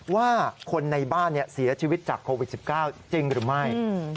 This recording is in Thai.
ว่าคนในบ้านเสียชีวิตจากโควิด๑๙จริงหรือไม่